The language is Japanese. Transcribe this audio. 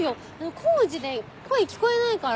工事で声聞こえないから。